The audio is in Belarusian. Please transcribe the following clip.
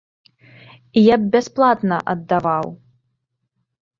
Я б бясплатна аддаваў.